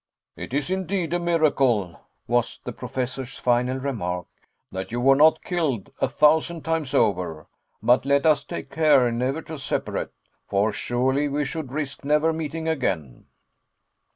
"It is indeed a miracle," was the Professor's final remark, "that you were not killed a thousand times over. But let us take care never to separate; for surely we should risk never meeting again."